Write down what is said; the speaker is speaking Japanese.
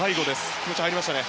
気持ちが入りましたね。